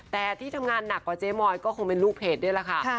แต่ที่ทำงานหนักกว่าเจ๊มอยก็คงเป็นลูกเพจนี่แหละค่ะ